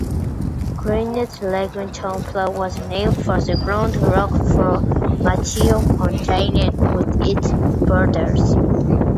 Granite Ledge Township was named for the granite rock formations contained within its borders.